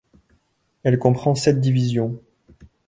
Elle comprend sept divisions.